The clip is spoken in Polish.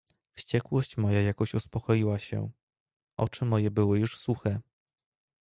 "Wściekłość moja jakoś uspokoiła się, oczy moje były już suche."